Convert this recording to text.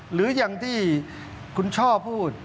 หรืออย่างที่คุณช่อพูด